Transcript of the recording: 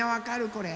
これ。